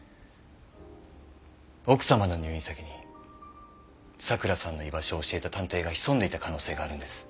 奥さまの入院先に咲良さんの居場所を教えた探偵が潜んでいた可能性があるんです。